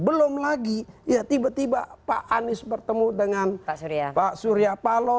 belum lagi ya tiba tiba pak anies bertemu dengan pak surya paloh